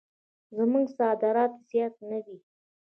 زموږ صادرات زیات نه دي.